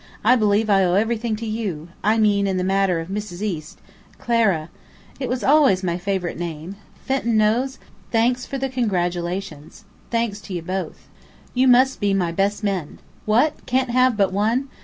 I believe I owe everything to you. I mean, in the matter of Mrs. East Clara. It always was my favourite name. Fenton knows? Thanks for the congratulations. Thanks to you both. You must be my best men. What? Can't have but one?